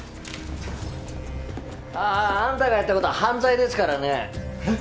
あああんたがやったことは犯罪ですからねえっ？